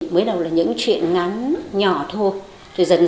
mới đầu là những chuyện ngắn nhỏ thôi